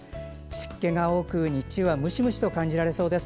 湿気が多く、日中はムシムシと感じられそうです。